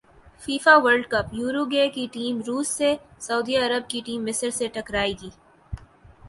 FIFA World Cup Uruguay کی team روس سے سعودی عرب کی ٹیم مصر سے ٹکرائے گی